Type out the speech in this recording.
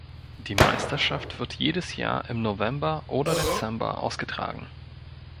Die Meisterschaft wird jedes Jahr im November oder Dezember ausgetragen.